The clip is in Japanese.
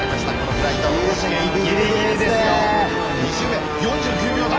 ２周目４９秒台。